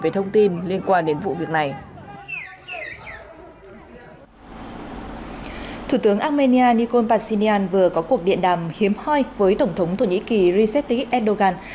thủ tướng armenia nikol pashinyan vừa có cuộc điện đàm hiếm hoi với tổng thống thổ nhĩ kỳ recep erdogan